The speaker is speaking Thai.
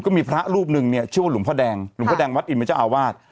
ก็มีพระรูปหนึ่งเนี่ยชื่อว่าหลวงพ่อแดงหลวงพ่อแดงวัดอินเป็นเจ้าอาวาส